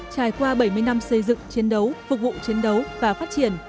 trải qua bảy mươi năm xây dựng chiến đấu phục vụ chiến đấu và phát triển